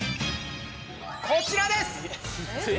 こちらです！